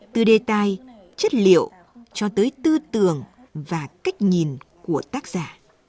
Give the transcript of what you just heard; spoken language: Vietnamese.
từ đề tài chất liệu cho tới tư tưởng và cách nhìn của tác giả